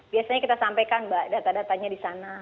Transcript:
biasanya kita sampaikan mbak data datanya di sana